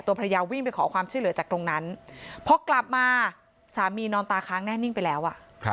ภรรยาวิ่งไปขอความช่วยเหลือจากตรงนั้นพอกลับมาสามีนอนตาค้างแน่นิ่งไปแล้ว